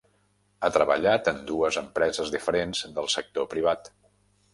Ha treballat en dues empreses diferents del sector privat.